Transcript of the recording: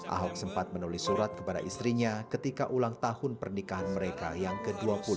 ahok sempat menulis surat kepada istrinya ketika ulang tahun pernikahan mereka yang ke dua puluh